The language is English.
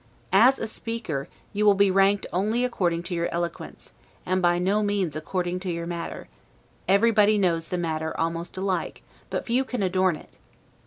As a speaker, you will be ranked only according to your eloquence, and by no means according to your matter; everybody knows the matter almost alike, but few can adorn it.